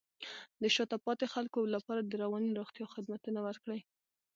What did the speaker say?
د شاته پاتې خلکو لپاره د رواني روغتیا خدمتونه ورکړئ.